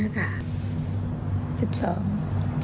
๑๒แสนกว่าบาทโอเค